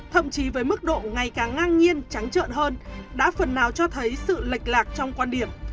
thậm chí với mức độ ngày càng ngang nhiên trắng trợn hơn đã phần nào cho thấy sự lệch lạc trong quan điểm